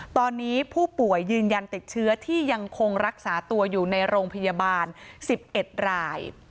ตอนนี้ผู้ป่วยยืนยันติดเชื้อที่ยังคงรักษาตัวอยู่ในโรงพยาบาล๑๑ราย